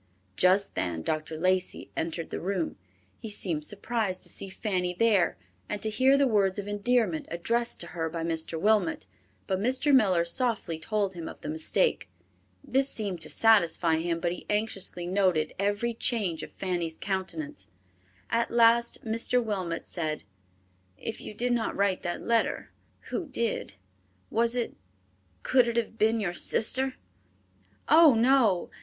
Just then Dr. Lacey entered the room. He seemed surprised to see Fanny there, and to hear the words of endearment addressed to her by Mr. Wilmot, but Mr. Miller softly told him of the mistake. This seemed to satisfy him, but he anxiously noted every change of Fanny's countenance. At last Mr. Wilmot said, "If you did not write that letter, who did? Was it, could it have been your sister?" "Oh, no!